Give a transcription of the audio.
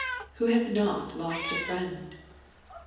Who hath not lost a friend ?